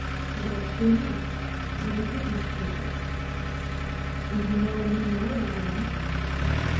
"About three months. I was witness to the marriage." "And you know no more about the wife?"